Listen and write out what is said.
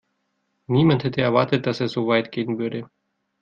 Niemand hätte erwartet, dass er so weit gehen würde.